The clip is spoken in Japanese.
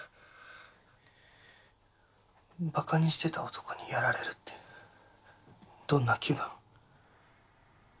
バカにしてた男にやられるってどんな気分？